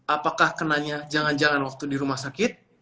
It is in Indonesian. apakah kenanya jangan jangan waktu di rumah sakit